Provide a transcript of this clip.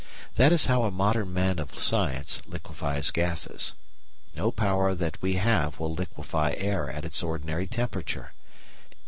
That is how a modern man of science liquefies gases. No power that we have will liquefy air at its ordinary temperature.